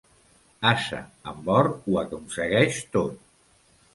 Ase amb or ho aconsegueix tot.